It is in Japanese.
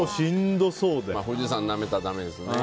富士山なめたらダメですね。